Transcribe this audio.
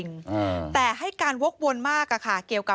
และก็